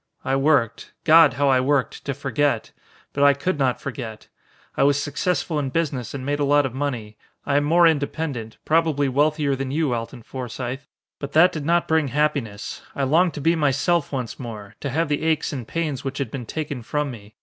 I worked. God, how I worked to forget! But I could not forget. I was successful in business and made a lot of money. I am more independent probably wealthier than you, Alton Forsythe, but that did not bring happiness. I longed to be myself once more, to have the aches and pains which had been taken from me.